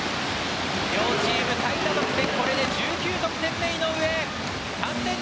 両チーム最多得点の１９得点目、井上！